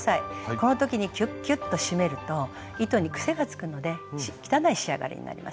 この時にキュッキュッと締めると糸に癖がつくので汚い仕上がりになりますね。